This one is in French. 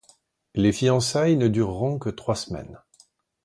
Les fiançailles ne dureront que trois semaines.